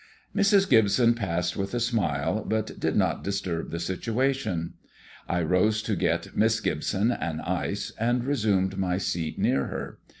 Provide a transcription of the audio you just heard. Mrs. Gibson passed with a smile, but did not disturb the situation. I rose to get Miss Gibson an ice, and resumed my seat near her.